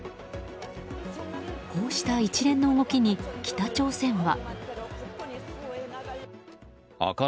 こうした一連の動きに北朝鮮は。